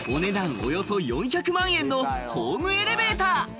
およそ４００万円のホームエレベーター。